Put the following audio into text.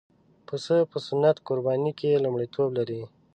پسه په سنت قربانۍ کې لومړیتوب لري.